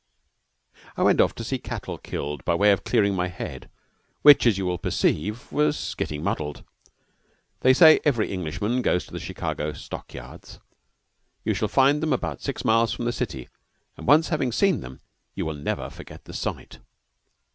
I went off to see cattle killed, by way of clearing my head, which, as you will perceive, was getting muddled. They say every Englishman goes to the Chicago stock yards. You shall find them about six miles from the city; and once having seen them, you will never forget the sight.